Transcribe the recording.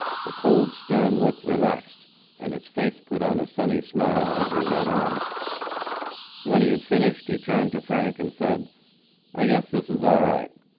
The cold, stern look relaxed, and his face put on a sunny smile as he read on. When he had finished, he turned to Frank and said, 'I guess this is all right.'